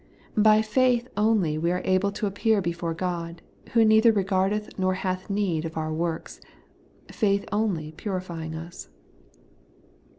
By faith only we are able to appear before God, who neither regardeth nor hath need of our works ; faith only purifying us.